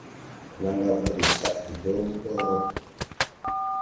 Plaŋga ɓɔ de sadge dɔɔ blɔɔrɔ.